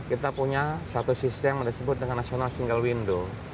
kita punya satu sistem yang disebut dengan national single window